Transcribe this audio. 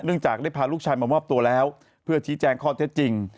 จากได้พาลูกชายมามอบตัวแล้วเพื่อชี้แจงข้อเท็จจริง